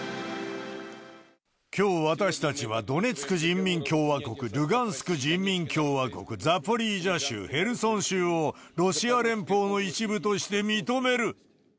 きょう、私たちはドネツク人民共和国、ルガンスク人民共和国、ザポリージャ州、ヘルソン州を、ロシア連邦の一部として認める。